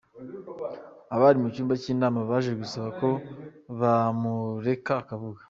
Abari mu cyumba cy’inama baje gusaba ko bamureka akavuga.